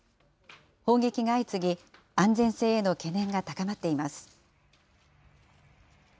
砲撃が相次ぎ、安全性への懸念が高まっています。